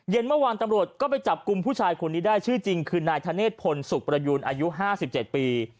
เมื่อวานตำรวจก็ไปจับกลุ่มผู้ชายคนนี้ได้ชื่อจริงคือนายธเนธพลสุขประยูนอายุ๕๗ปี